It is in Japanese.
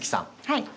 はい。